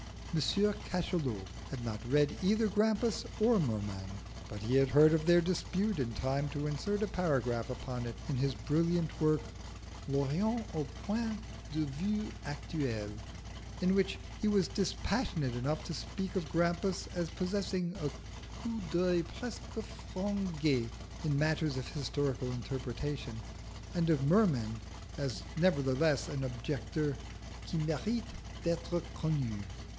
M. Cachalot had not read either Grampus or Merman, but he heard of their dispute in time to insert a paragraph upon it in his brilliant work, L'orient au point de vue actuel, in which he was dispassionate enough to speak of Grampus as possessing a coup d'oeil presque français in matters of historical interpretation, and of Merman as nevertheless an objector qui mérite d'être connu.